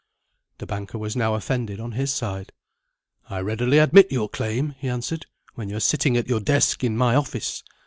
The banker was now offended on his side. "I readily admit your claim," he answered, "when you are sitting at your desk in my office.